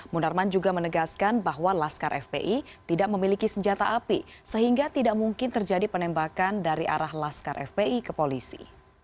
munarman juga menegaskan bahwa laskar fpi tidak memiliki senjata api sehingga tidak mungkin terjadi penembakan dari arah laskar fpi ke polisi